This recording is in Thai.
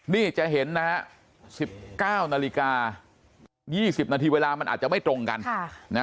นี่จะเห็นนะฮะ๑๙นาฬิกา๒๐นาทีเวลามันอาจจะไม่ตรงกัน